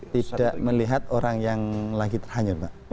tidak melihat orang yang lagi tahan yut pak